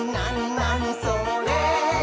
なにそれ？」